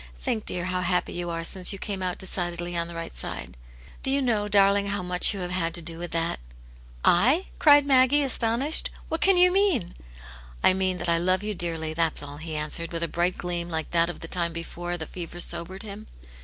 Think, dear, how happy you are since you came out decidedly on the right side." *' Do you know, darling, how much you have had to do with that ?"" I ?" cried Maggie, astonished. " What can you mean }" I mean that I love you dearly, that's all," he an swered, with a bright gleam like that of the time before the fever sobered him.